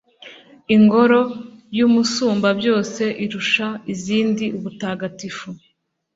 n'ingoro y'umusumbabyose irusha izindi ubutagatifu